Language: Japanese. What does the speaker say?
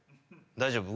大丈夫？